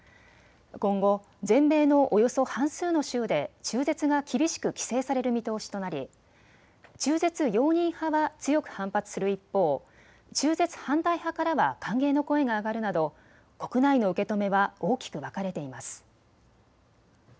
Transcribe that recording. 今後、全米のおよそ半数の州で中絶が厳しく規制される見通しとなり中絶容認派は強く反発する一方、中絶反対派からは歓迎の声が上がるなど国内の受け止めは大きく分かれています。